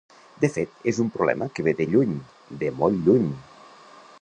De fet, és un problema que ve de lluny, de molt lluny.